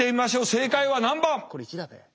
正解は何番。